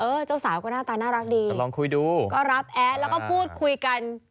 เออเจ้าสาวก็หน้าตาน่ารักดีก็รับแอดแล้วก็พูดคุยกัน